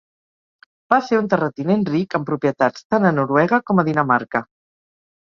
Va ser un terratinent ric amb propietats tant a Noruega com a Dinamarca.